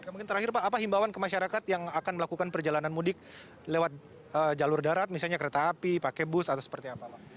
mungkin terakhir pak apa himbawan ke masyarakat yang akan melakukan perjalanan mudik lewat jalur darat misalnya kereta api pakai bus atau seperti apa pak